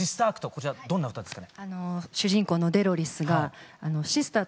こちらどんな歌ですか？